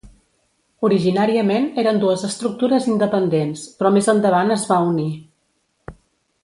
Originàriament eren dues estructures independents, però més endavant es va unir.